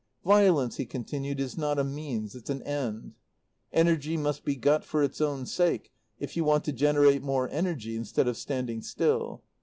"Violence," he continued, "is not a means; it's an end! Energy must be got for its own sake, if you want to generate more energy instead of standing still.